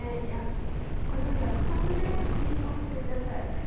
これは焼く直前に小麦粉を振ってください。